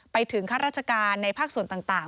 ไปถึงข้ารัชการในภาครัศส่วนต่าง